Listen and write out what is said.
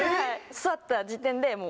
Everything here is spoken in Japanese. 座った時点でもう。